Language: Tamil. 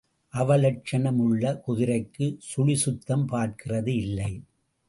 அவலட்சணம் உள்ள குதிரைக்குச் சுழி சுத்தம் பார்க்கிறது இல்லை.